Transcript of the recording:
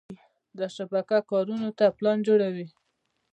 دا شبکه کارونو ته پلان جوړوي.